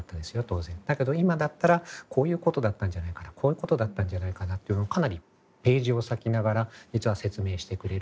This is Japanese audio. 当然だけど今だったらこういうことだったんじゃないかなこういうことだったんじゃないかなっていうのをかなりページを割きながら実は説明してくれる。